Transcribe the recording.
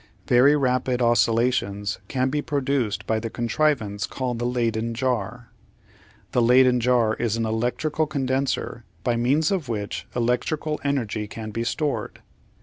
Very rapid oscillations can be produced by the contrivance called the Leyden jar (see Fig. 2 facing p. 825). The Leyden jar is an electrical condenser by means of which electrical energy can be stored.